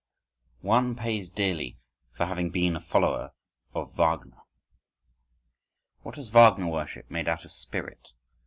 — One pays dearly for having been a follower of Wagner. What has Wagner worship made out of spirit?